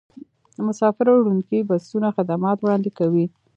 مسافروړونکي بسونه خدمات وړاندې کوي